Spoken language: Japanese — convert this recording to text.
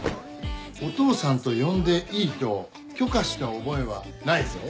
「お父さん」と呼んでいいと許可した覚えはないぞ。